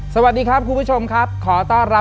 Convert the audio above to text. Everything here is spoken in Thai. สวัสดีครับคุณผู้ชมครับขอต้อนรับทุกท่านนะครับ